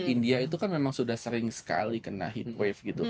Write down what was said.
india itu kan memang sudah sering sekali kena heat wave gitu